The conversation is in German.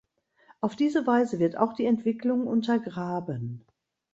Auf diese Weise wird auch die Entwicklung untergraben.